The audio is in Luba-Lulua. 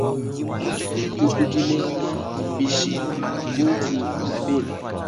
Dituku dilenga, bishi koku bukola ?